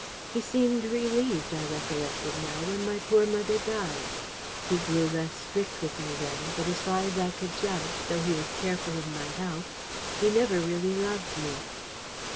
He seemed relieved, I recollected now, when my poor mother died: he grew less strict with me then, but as far as I could judge, though he was careful of my health, he never really loved me.